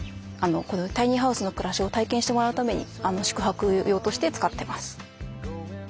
タイニーハウスの暮らしを体験してもらうために宿泊用として使ってます。